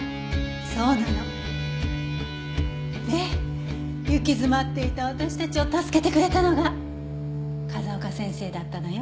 そうなの。で行き詰まっていた私たちを助けてくれたのが風丘先生だったのよ。